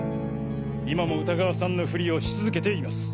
今も歌川さんのフリをし続けています。